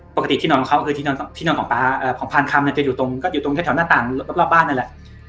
ปกติที่นอนของเขาที่นอนของพาลคำจะอยู่ตรงแถวหน้าต่างรอบบ้านนั่นแหละ